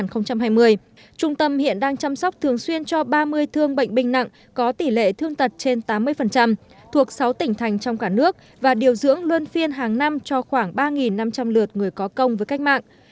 trung tâm hiện đang chăm sóc thường xuyên cho ba mươi thương bệnh binh nặng có tỷ lệ thương tật trên tám mươi thuộc sáu tỉnh thành trong cả nước và điều dưỡng luân phiên hàng năm cho khoảng ba năm trăm linh lượt người có công với cách mạng